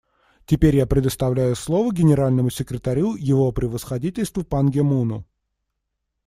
Теперь я предоставляю слово Генеральному секретарю Его Превосходительству Пан Ги Муну.